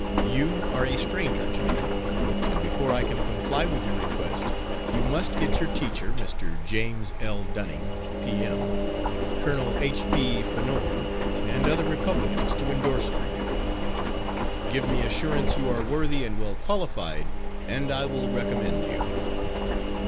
You are a stranger to me, and before I can comply with your request you must get your teacher, Mr. James L. Dunning, P.M., Colonel H. P. Fanorr, and other Republicans to indorse for you. Give me assurance you are worthy and well qualified and I will recommend you.